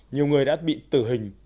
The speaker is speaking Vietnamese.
nhiều người đã bị tử hình